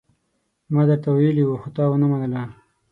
ما درته ويلي وو، خو تا ونه منله.